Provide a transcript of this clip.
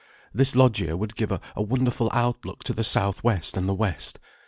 This loggia would give a wonderful outlook to the south west and the west.